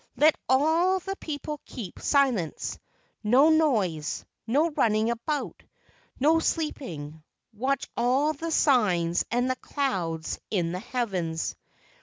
Let all the people keep silence; no noise, no running about, no sleep¬ ing. Watch all the signs and the clouds in the heavens."